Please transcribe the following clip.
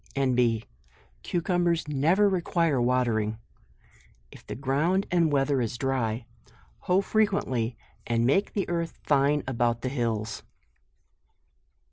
N. B. Cucumbers never require watering ; If the ground and weather is dry, hoe fre JUNE. H£ quently and make the earth fine about the hills.